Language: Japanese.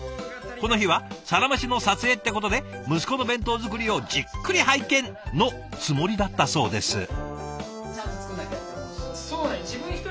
この日は「サラメシ」の撮影ってことで息子の弁当作りをじっくり拝見！のつもりだったそうです。